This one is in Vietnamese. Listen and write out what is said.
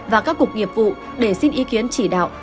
và các cục nghiệp vụ để xin ý kiến chỉ đạo